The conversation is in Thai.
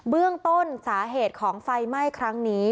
เบื้องต้นสาเหตุของไฟไหม้ครั้งนี้